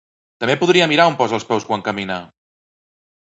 —També podria mirar on posa els peus quan camina!